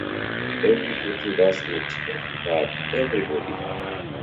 Every beetle does it, every bird, everybody.